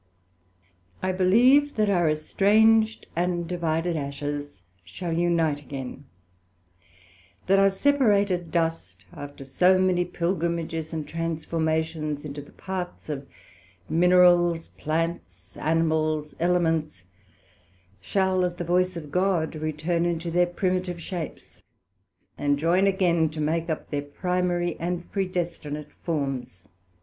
I believe that our estranged and divided ashes shall unite again; that our separated dust after so many Pilgrimages and transformations into the parts of Minerals, Plants, Animals, Elements, shall at the Voice of God return into their primitive shapes, and joyn again to make up their primary and predestinate forms.